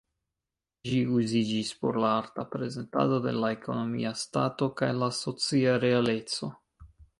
Ĝi uziĝis por la arta prezentado de la ekonomia stato kaj la socia realeco.